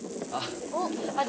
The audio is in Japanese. あっ。